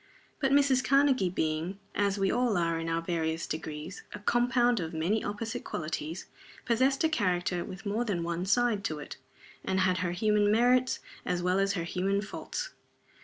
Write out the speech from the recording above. But Mrs. Karnegie being as we all are in our various degrees a compound of many opposite qualities, possessed a character with more than one side to it, and had her human merits as well as her human faults.